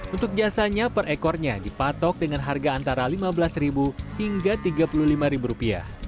untuk jasanya per ekornya dipatok dengan harga antara rp lima belas hingga rp tiga puluh lima